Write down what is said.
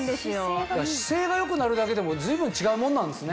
姿勢が良くなるだけでも随分違うもんなんですね。